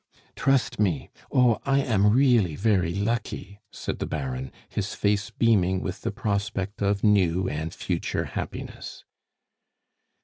"Trust me! Oh, I am really very lucky!" said the Baron, his face beaming with the prospect of new and future happiness.